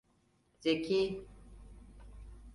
Zeki…